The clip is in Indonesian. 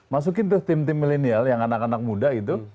masukin tuh tim tim milenial yang anak anak muda gitu